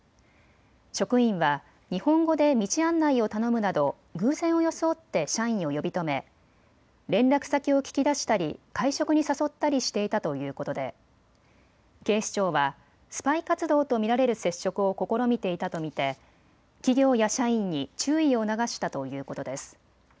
職員は日本語で道案内を頼むなど偶然を装って社員を呼び止め、連絡先を聞き出したり会食に誘ったりしていたということで警視庁はスパイ活動と見られる接触を試みていたと見て企業や社員に注意を促したということです。